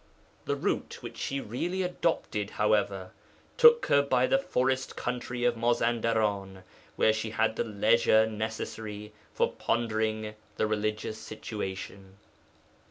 The route which she really adopted, however, took her by the forest country of Mazandaran, where she had the leisure necessary for pondering the religious situation.